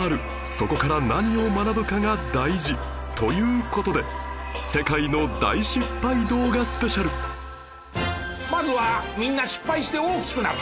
そこから何を学ぶかが大事という事でまずはみんな失敗して大きくなった。